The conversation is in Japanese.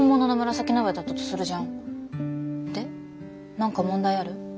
何か問題ある？